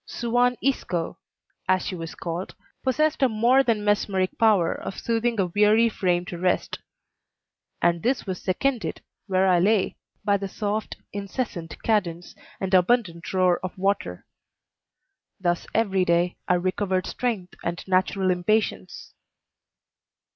Suan Isco, as she was called, possessed a more than mesmeric power of soothing a weary frame to rest; and this was seconded, where I lay, by the soft, incessant cadence and abundant roar of water. Thus every day I recovered strength and natural impatience.